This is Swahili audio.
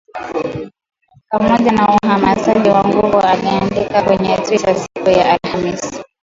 pamoja na uhamasishaji wa nguvu aliandika kwenye Twitter siku ya Alhamis